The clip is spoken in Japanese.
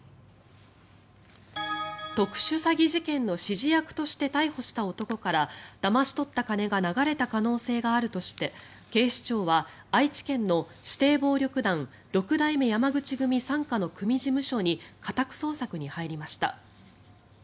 特殊詐欺事件の指示役として逮捕した男からだまし取った金が流れた可能性があるとして警視庁は、愛知県の指定暴力団六代目山口組傘下の組事務所に家宅捜索に入りました。